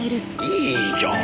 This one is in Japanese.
いいじゃん。